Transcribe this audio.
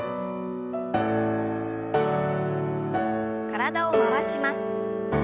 体を回します。